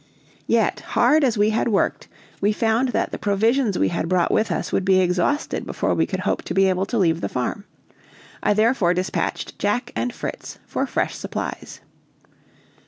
Yet, hard as we had worked, we found that the provisions we had brought with us would be exhausted before we could hope to be able to leave the farm. I therefore dispatched Jack and Fritz for fresh supplies.